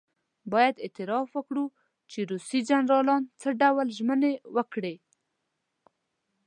باید اعتراف وکړو چې روسي جنرالانو څه ډول ژمنې وکړې.